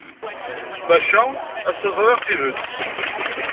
Maca ass-a ẓriɣ tidet.